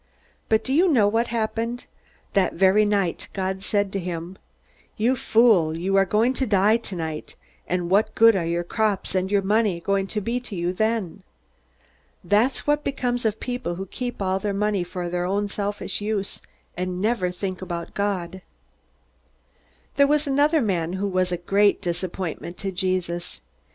"But do you know what happened? That very night God said to him, 'You fool, you are going to die tonight; and what good are your crops and your money going to be to you then?' That's what becomes of people who keep all their money for their own selfish use, and never think about God." There was another man who was a great disappointment to Jesus.